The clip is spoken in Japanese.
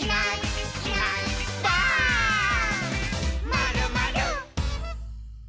「まるまる」